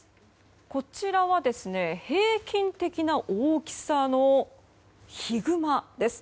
こちらは平均的な大きさのヒグマです。